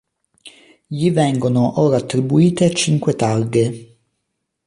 Gli vengono ora attribuite cinque targhe.